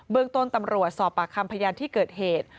เมืองต้นตำรวจสอบปากคำพยานที่เกิดเหตุ